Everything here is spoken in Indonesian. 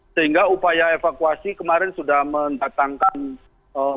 sehingga upaya evakuasi kemarin sudah mendatangkan mobil